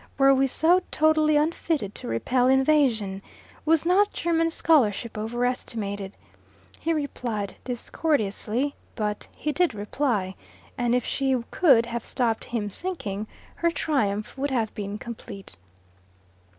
Were we so totally unfitted to repel invasion? Was not German scholarship overestimated? He replied discourteously, but he did reply; and if she could have stopped him thinking, her triumph would have been complete.